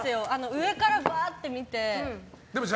上から、バーって見て。